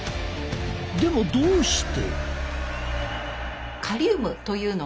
でもどうして？